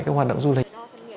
đó là cái hoạt động du lịch